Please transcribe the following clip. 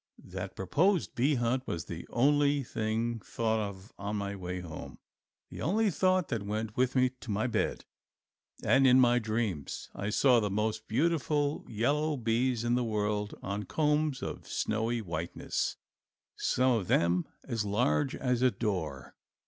That proposed bee hunt was the only thing thought of on my way home, the only thought that went with me to my bed, and in my dreams I saw the most beautiful yellow bees in the world on combs of snowy whiteness, some of them as large as a door.